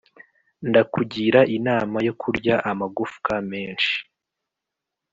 ndakugira inama yo kurya amagufwa menshi